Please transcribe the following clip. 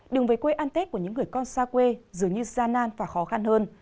đường về quê ăn tết của những người con xa quê dường như gian nan và khó khăn hơn